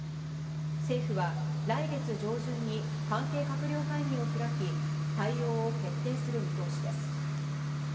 政府は、来月上旬に関係閣僚会議を開き、対応を決定する見通しです。